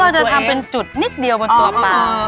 จะทำเป็นจุดนิดเดียวบนตัวปลา